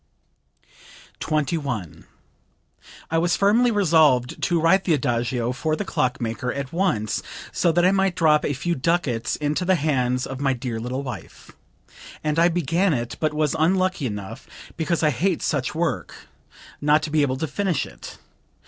21. "I was firmly resolved to write the Adagio for the clock maker at once so that I might drop a few ducats into the hands of my dear little wife; and I began it, but was unlucky enough because I hate such work not to be able to finish it.